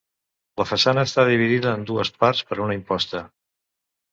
La façana està dividida en dues parts per una imposta.